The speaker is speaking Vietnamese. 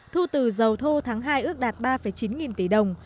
thu từ dầu thô tháng hai ước đạt ba chín nghìn tỷ đồng